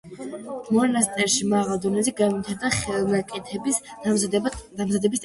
მონასტერში მაღალ დონეზე განვითარდა ხელნაკეთების დამზადების ტექნოლოგია.